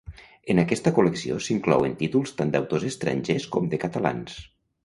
En aquesta col·lecció s’inclouen títols tant d’autors estrangers com de catalans.